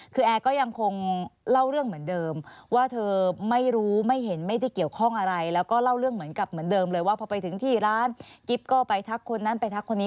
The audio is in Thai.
คือแอร์ก็ยังคงเล่าเรื่องเหมือนเดิมว่าเธอไม่รู้ไม่เห็นไม่ได้เกี่ยวข้องอะไรแล้วก็เล่าเรื่องเหมือนกับเหมือนเดิมเลยว่าพอไปถึงที่ร้านกิ๊บก็ไปทักคนนั้นไปทักคนนี้